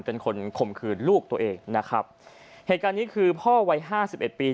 เป็นคนขมขืนลูกตัวเองนะครับเหตุการณ์นี้คือพ่อวัย๕๑ปี